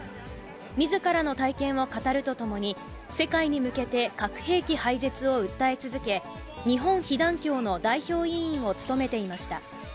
みずからの体験を語るとともに、世界に向けて核兵器廃絶を訴え続け、日本被団協の代表委員を務めていました。